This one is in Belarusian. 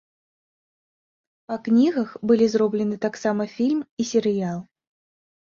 Па кнігах былі зроблены таксама фільм і серыял.